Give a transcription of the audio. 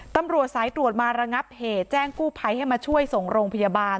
ตำรวจสายตรวจมาระงับเหตุแจ้งกู้ภัยให้มาช่วยส่งโรงพยาบาล